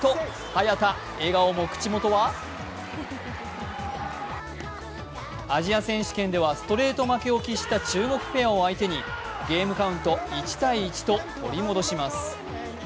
早田、笑顔も口元はアジア選手権ではストレート負けを喫した中国ペアを相手にゲームカウント１−１と取り戻します。